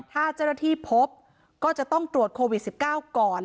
ถ้าเจ้าหน้าที่พบก็จะต้องตรวจโควิด๑๙ก่อน